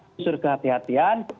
harus ada kehatian